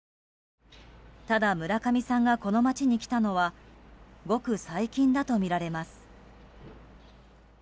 ただ、村上さんがこの町に来たのはごく最近だとみられます。